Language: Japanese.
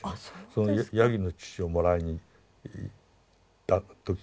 そのヤギの乳をもらいに行った時にですね